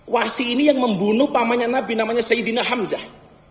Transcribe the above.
wasi ini yang membunuh pamannya nabi namanya sayyidina hamzah